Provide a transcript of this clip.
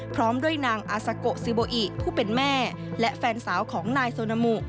พร้อมด้วยนางอาซาโกซิโบอิผู้เป็นแม่และแฟนสาวของนายโซนามุ